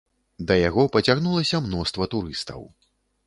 Да яго пацягнулася мноства турыстаў.